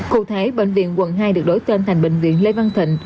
cụ thể bệnh viện quận hai được đổi tên thành bệnh viện lê văn thịnh